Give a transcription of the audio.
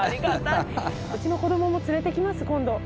うちの子どもも連れてきます今度。